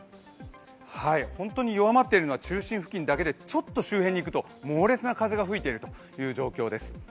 本当に弱まっているのは中心付近だけどちょっと上の方にいくと猛烈な風が吹いているという状況です。